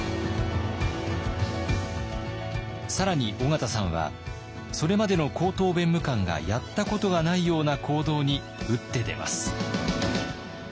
更に緒方さんはそれまでの高等弁務官がやったことがないような行動に打って出ます。